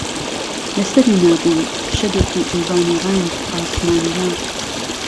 له سهری نابوو شهدێکی ئەلوانی ڕهنگ عاسمانییه